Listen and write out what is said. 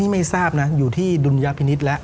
ไม่ทราบอยู่ที่ดุลยพินิต